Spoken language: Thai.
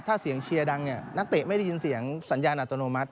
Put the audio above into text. ถ้าเสียงเชียร์ดังเนี่ยนักเตะไม่ได้ยินเสียงสัญญาณอัตโนมัติ